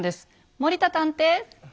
森田探偵。